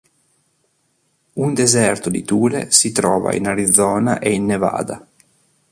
Un "Deserto di Tule" si trova in Arizona e in Nevada.